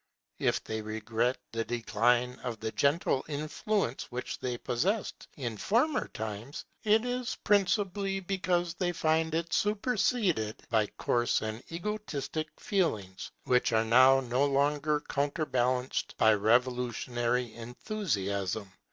If they regret the decline of the gentle influence which they possessed in former times, it is principally because they find it superseded by coarse and egotistic feelings, which are now no longer counterbalanced by revolutionary enthusiasm.